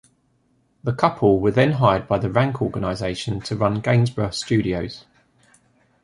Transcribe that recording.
The couple were then hired by the Rank Organisation to run Gainsborough Studios.